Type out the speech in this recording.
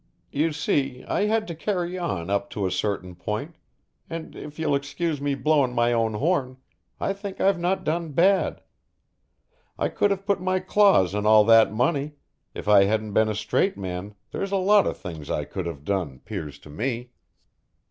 You see I had to carry on up to a certain point, and, if you'll excuse me blowing my own horn, I think I've not done bad. I could have put my claws on all that money If I hadn't been a straight man, there's a lot of things I could have done, 'pears to me.